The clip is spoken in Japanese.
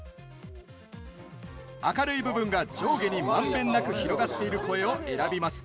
明るい部分が上下にまんべんなく広がっている声を選びます。